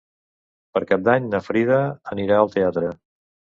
Per Cap d'Any na Frida anirà al teatre.